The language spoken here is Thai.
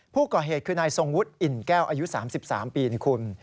ผู้ก่อเหตุคือนายทรงวุฒิอิ่นแก้วอายุ๓๓ปีนี่คุณ